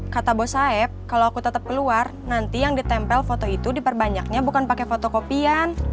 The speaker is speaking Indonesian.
kata bos saib kalau aku tetap keluar nanti yang ditempel foto itu diperbanyaknya bukan pakai fotokopian